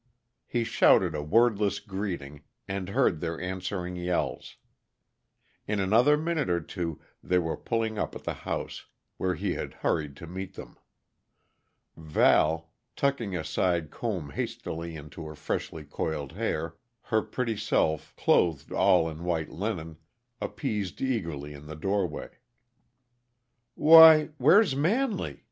He shouted a wordless greeting, and heard their answering yells. In another minute or two they were pulling up at the house, where he had hurried to meet them. Val, tucking a side comb hastily into her freshly coiled hair, her pretty self clothed all in white linen, appeased eagerly in the doorway. "Why where's Manley?"